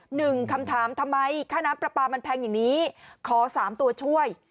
หนึ่งคำถามทำไมค่าน้ำปลาปลามันแพงอย่างนี้ขอสามตัวช่วย